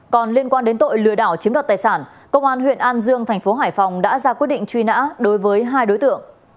còn liên quan đến tội lừa đảo chiếm đoạt tài sản công an huyện an dương thành phố hải phòng đã ra quyết định truy nã đối với hai đối tượng